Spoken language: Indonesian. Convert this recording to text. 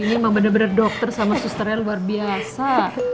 ini emang bener bener dokter sama susternya luar biasa